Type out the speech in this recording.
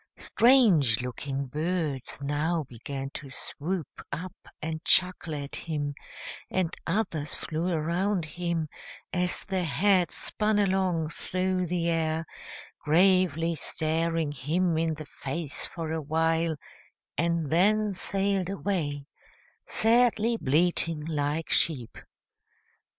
[Illustration: "I'M A COCKALORUM," HE SOFTLY MURMURED.] Strange looking birds now began to swoop up and chuckle at him, and others flew around him, as the hat spun along through the air, gravely staring him in the face for a while, and then sailed away, sadly bleating like sheep.